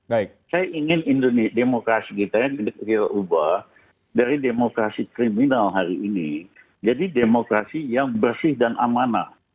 saya ingin demokrasi kita yang kita ubah dari demokrasi kriminal hari ini jadi demokrasi yang bersih dan amanah